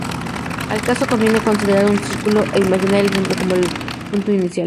Al caso conviene considerar un círculo e imaginar el centro como el punto inicial.